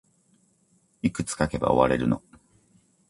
いくつ書けば終われるの